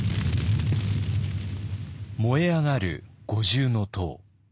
燃え上がる五重塔。